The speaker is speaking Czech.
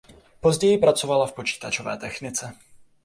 Později pracovala v počítačové technice.